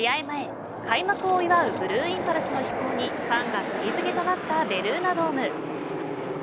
前、開幕を祝うブルーインパルスの飛行にファンがくぎづけとなったベルーナドーム。